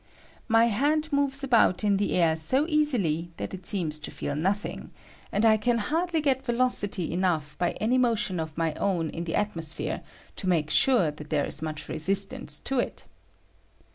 My hand moves about 1 J WEIGHT OP THE ATMOSPHERE. 133 in the air so easily that it seems to feel nothing, and I can hardly get velocity enough by any motion of my own in the atmosphere to make sure that there is much resistance to it.